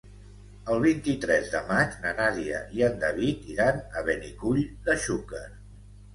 El vint-i-tres de maig na Nàdia i en David iran a Benicull de Xúquer.